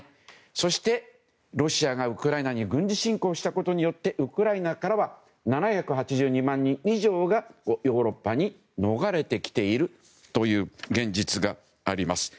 そしてロシアがウクライナに軍事侵攻したことによってウクライナからは７８２万人以上がヨーロッパに逃れてきているという現実があります。